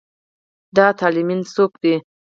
دا طالېمن څوک دی.